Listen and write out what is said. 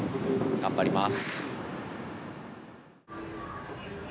頑張ります。